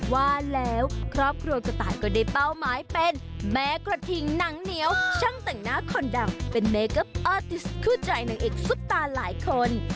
ว่าแล้วครอบครัวกระต่ายก็ได้เป้าหมายเป็นแม่กระทิงหนังเหนียวช่างแต่งหน้าคนดังเป็นเมเกิปอติสคู่ใจนางเอกซุปตาหลายคน